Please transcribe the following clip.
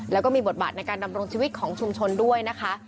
แล้วก็มีบทบาทในการดำรงชีวิตของชุมชนด้วยนะคะ